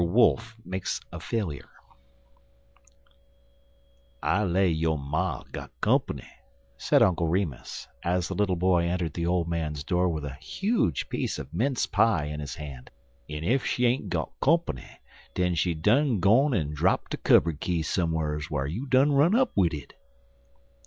WOLF MAKES A FAILURE "I LAY yo' ma got comp'ny," said Uncle Remus, as the little boy entered the old man's door with a huge piece of mince pie in his hand, 'en ef she ain't got comp'ny, den she done gone en drap de cubberd key som'ers whar you done run up wid it."